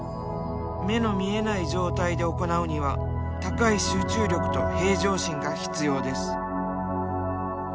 目の見えない状態で行うには高い集中力と平常心が必要です。